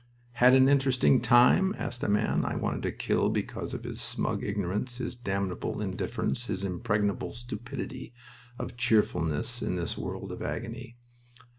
"Had an interesting time?" asked a man I wanted to kill because of his smug ignorance, his damnable indifference, his impregnable stupidity of cheerfulness in this world of agony.